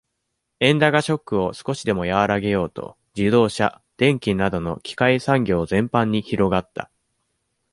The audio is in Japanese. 円高ショックを少しでも和らげようと、自動車、電機などの機械産業全般に広がった。